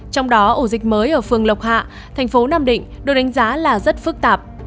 trong đó ổ dịch mới ở phường lộc hạ thành phố nam định được đánh giá là rất phức tạp